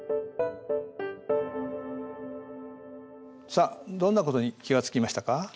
さあどんなことに気が付きましたか？